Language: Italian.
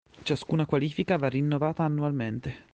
Ciascuna qualifica va rinnovata annualmente.